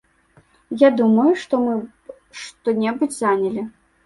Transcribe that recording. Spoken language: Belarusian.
Я думаю, што мы б што-небудзь занялі.